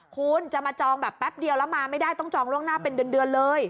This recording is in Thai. คุณจะมาจองแบบแป๊บเดียวแล้วมาไม่ได้ต้องจองล่วงหน้าเป็นเดือนเลย